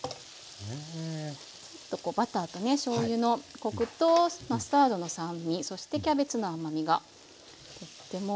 バターとねしょうゆのコクとマスタードの酸味そしてキャベツの甘みがとっても。